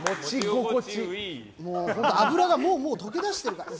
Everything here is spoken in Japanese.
脂が溶けだしてるから。